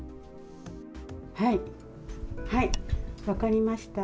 はい、はい、分かりました。